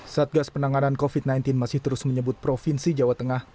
satgas penanganan covid sembilan belas masih terus menyebut provinsi jawa tengah